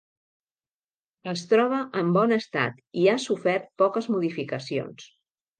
Es troba en bon estat i ha sofert poques modificacions.